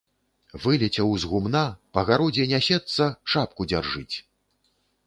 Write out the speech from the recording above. Вылецеў з гумна, па гародзе нясецца, шапку дзяржыць.